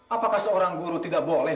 apakah seorang guru tidak boleh